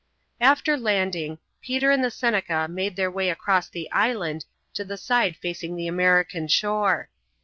After landing, Peter and the Seneca made their way across the island to the side facing the American shore.